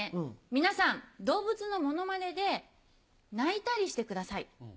皆さん動物のモノマネで鳴いたりしてください。